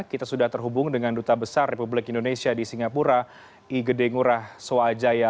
kita sudah terhubung dengan duta besar republik indonesia di singapura igede ngurah swajaya